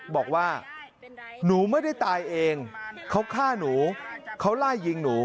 บอกว่าหนูไม่ได้ตายเองเขาฆ่าหนูเขาไล่ยิงหนู